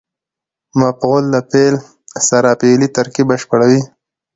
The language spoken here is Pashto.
مفعول د فعل سره فعلي ترکیب بشپړوي.